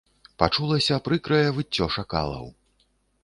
Пачулася прыкрае выццё шакалаў.